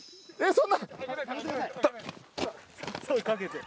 そんな。